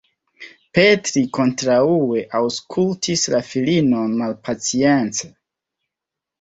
Petri, kontraŭe, aŭskultis la filinon malpacience.